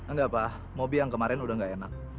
nggak pak mobil yang kemarin udah nggak enak